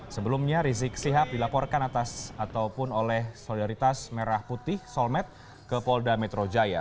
sebelumnya rizik sihab dilaporkan atas ataupun oleh solidaritas merah putih solmet ke polda metro jaya